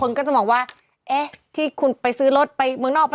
ก็จะมองว่าเอ๊ะที่คุณไปซื้อรถไปเมืองนอกไป